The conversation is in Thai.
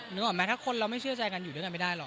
นึกออกไหมถ้าคนเราไม่เชื่อใจกันอยู่ด้วยกันไม่ได้หรอก